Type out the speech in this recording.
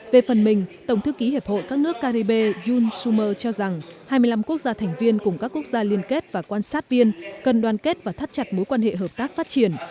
về phần mình tổng thư ký hiệp hội các nước caribe jun summer cho rằng hai mươi năm quốc gia thành viên cùng các quốc gia liên kết và quan sát viên cần đoàn kết và thắt chặt mối quan hệ hợp tác phát triển